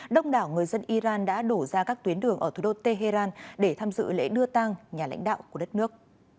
đông đảo người dân iran đã đổ ra các tuyến đường ở thủ đô tehran để tham dự lễ đưa tang nhà lãnh đạo của đất nước